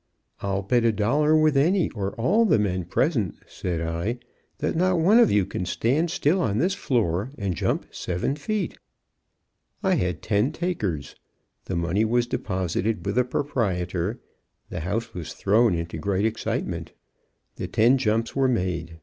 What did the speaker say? "I'll bet a dollar with any or all the men present," said I, "that not one of you can stand still on this floor and jump 7 feet." I had ten takers. The money was deposited with the proprietor; the house was thrown into great excitement. The ten jumps were made.